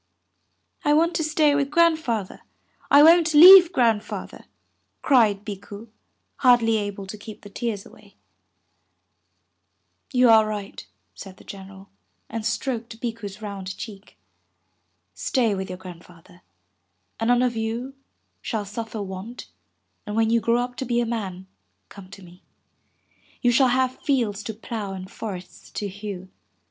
"I want to stay with Grandfather, I won't leave Grandfather," cried Bikku, hardly able to keep the tears away. 408 UP ONE PAIR OF STAIRS it 'You are right/' said the General, and stroked Bikku's round cheek. ''Stay with your Grand father, and none of you shall suffer want, and when you grow to be a man, come to me. You shall have fields to plow and forests to hew.